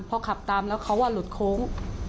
พอขับตามแล้วเขาหลุดโค้ง